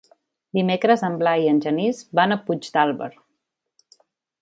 Dimecres en Blai i en Genís van a Puigdàlber.